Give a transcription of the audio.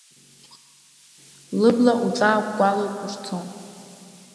Лыбла уҵаакәкәалоуп ушцо.